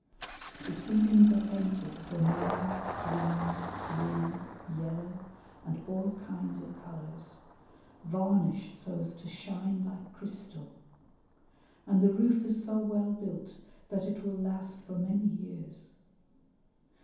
The ceilings are painted vermillion, green, blue, yellow, and all kinds of colours, varnished so as to shine like crystal, and the roof is so well built that it will last for many years.